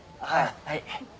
はい。